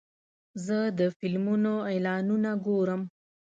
زه د فلمونو اعلانونه ګورم.